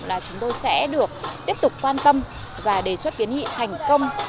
là chúng tôi sẽ được tiếp tục quan tâm và đề xuất kiến nghị thành công